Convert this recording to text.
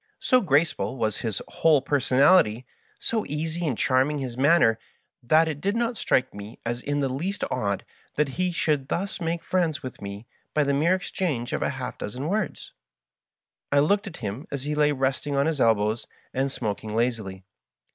So graceful was his whole personality, so easy and cliarming his manner, that it did not strike me as in the least odd that he should thus make friends with me by the mere exchange of half a dozen words. I looked at him as he lay resting on his elbows and smoking lazily.